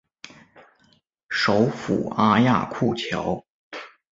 首府阿亚库乔。